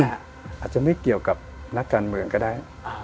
อาจจะไม่เกี่ยวกับนักการเมืองก็ได้